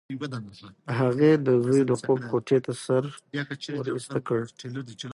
هغې د زوی د خوب کوټې ته سر ورایسته کړ.